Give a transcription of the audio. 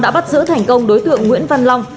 đã bắt giữ thành công đối tượng nguyễn văn long